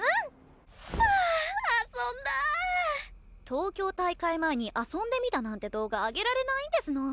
東京大会前に「遊んでみた」なんて動画上げられないんですの。